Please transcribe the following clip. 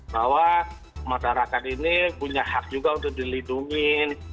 karena masyarakat ini punya hak juga untuk dilindungi